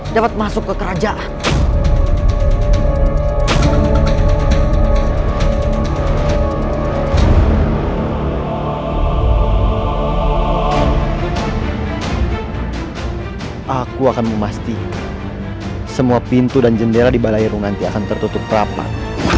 dan kembali runganti akan tertutup rapat